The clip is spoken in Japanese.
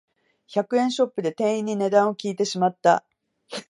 百円ショップで店員に値段を聞いてしまった